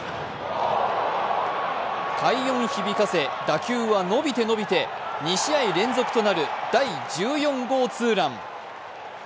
快音響かせ、打球は伸びて伸びて、２試合連続となる第１４号ツーラン。